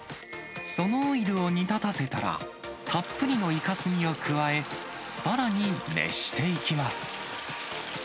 そのオイルを煮立たせたら、たっぷりのイカスミを加え、さらに熱していきます。